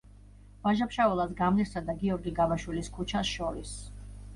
ვაჟა-ფშაველას გამზირსა და გიორგი გაბაშვილის ქუჩას შორის.